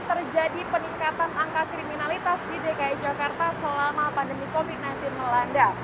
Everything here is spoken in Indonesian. terjadi peningkatan angka kriminalitas di dki jakarta selama pandemi covid sembilan belas melanda